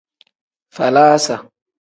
Falaasa.